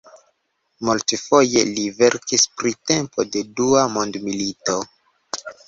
Multfoje li verkis pri tempo de Dua mondmilito.